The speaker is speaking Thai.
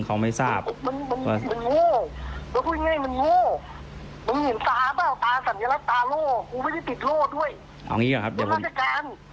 ถึงที่สุดเลยเดี๋ยวผมย้ายมาเป็นสารวัตรจรที่ดีนะ